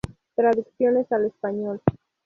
Traducciones al español